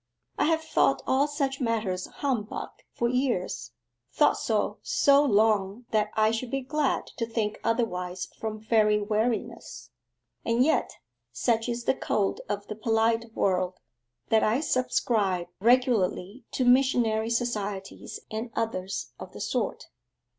I have thought all such matters humbug for years thought so so long that I should be glad to think otherwise from very weariness; and yet, such is the code of the polite world, that I subscribe regularly to Missionary Societies and others of the sort....